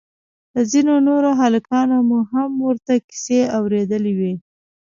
له ځينو نورو هلکانو مو هم ورته کيسې اورېدلې وې.